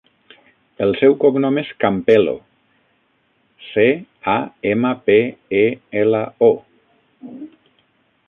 El seu cognom és Campelo: ce, a, ema, pe, e, ela, o.